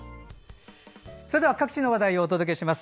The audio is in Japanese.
それでは各地の話題をお届けします。